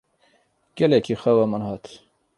Gelekî xewa min hat.